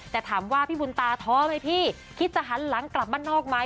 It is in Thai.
แต่ถามว่าพี่บุญตาท้อไหมพี่คิดจะหันหลังกลับบ้านนอกไหม